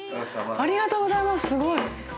ありがとうございます。